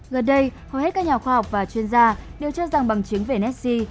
gần đây hầu hết các nhà khoa học và chuyên gia đều cho rằng bằng chứng về nessi